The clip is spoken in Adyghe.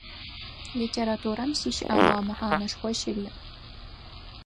Литературэм сищыӏэныгъэ мэхьанэшхо щыриӏ.